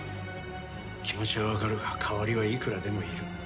気持ちはわかるが代わりはいくらでもいる。